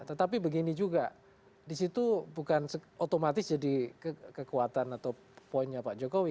tetapi begini juga disitu bukan otomatis jadi kekuatan atau poinnya pak jokowi